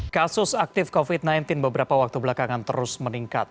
kasus aktif covid sembilan belas beberapa waktu belakangan terus meningkat